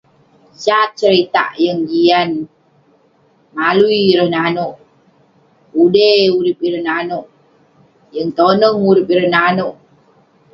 sat seritak yeng jian. malui ireh nanouk, pude urip ireh nanouk, yeng toneng urip ireh nanouk.